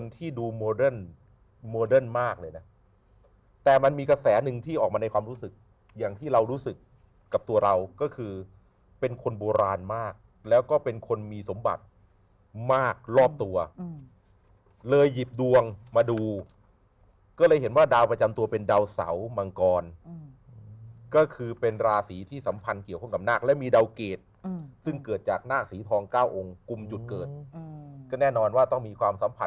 ที่ดูโมเดิร์นโมเดิร์นมากเลยนะแต่มันมีกระแสหนึ่งที่ออกมาในความรู้สึกอย่างที่เรารู้สึกกับตัวเราก็คือเป็นคนโบราณมากแล้วก็เป็นคนมีสมบัติมากรอบตัวเลยหยิบดวงมาดูก็เลยเห็นว่าดาวประจำตัวเป็นดาวเสามังกรก็คือเป็นราศีที่สัมพันธ์เกี่ยวข้องกับนาคและมีดาวเกรดซึ่งเกิดจากหน้าสีทองเก้าองค์กุมจุดเกิดก็แน่นอนว่าต้องมีความสัมผัส